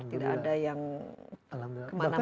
tidak ada yang kemana mana